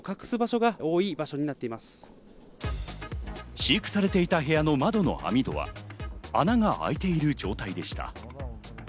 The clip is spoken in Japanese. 飼育されていた部屋の窓の網戸は穴が開いている状態でした。